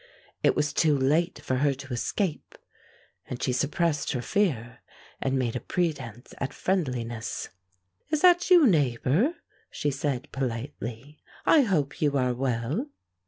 It was too late for her to escape, and she suppressed her fear and made a pretense at friendliness. "Is that you, neighbor she said politely. "I hope you are well."